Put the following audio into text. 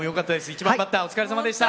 １番バッターお疲れさまでした。